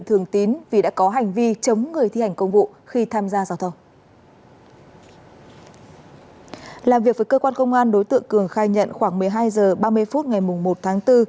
làm việc với cơ quan công an đối tượng cường khai nhận khoảng một mươi hai h ba mươi phút ngày một tháng bốn